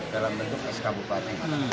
dalam bentuk sk bupati